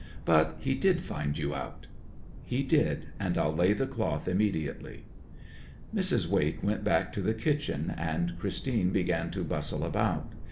'But he did find you out.' 'He did. And I'll lay the cloth immediately.' Mrs. Wake went back to the kitchen, and Christine began to bustle about.